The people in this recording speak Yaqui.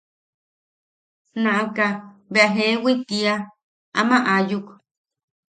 Naʼa bea jeewi tiia. –Ama aayuk.